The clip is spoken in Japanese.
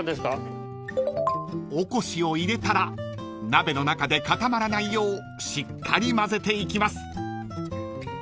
［おこしを入れたら鍋の中で固まらないようしっかり混ぜていきます］